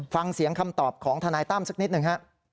ฟังเสียงคำตอบของทนายตั้มสักนิดหนึ่งฮะ